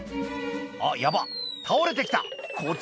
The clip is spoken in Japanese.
「あっヤバっ倒れて来たこっち